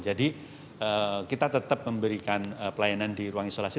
kita tetap memberikan pelayanan di ruang isolasi